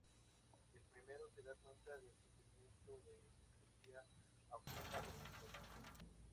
El primero se da cuenta del sufrimiento de Lucrecia aunque no sabe las causas.